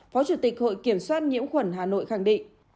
phó chủ tịch hội kiểm soát nhiễm khuẩn hà nội khẳng định